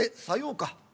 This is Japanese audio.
「さようか。